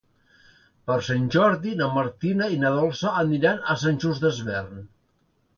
Per Sant Jordi na Martina i na Dolça aniran a Sant Just Desvern.